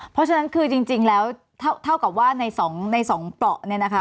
เพราะฉะนั้นจริงแล้วเท่ากับว่าใน๒กาง